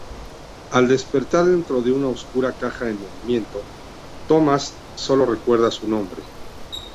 Al despertar dentro de una oscura caja en movimiento, Thomas solo recuerda su nombre.